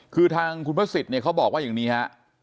คือทางคุณพระศิษย์เนี่ยเขาบอกว่าอย่างนี้ฮะ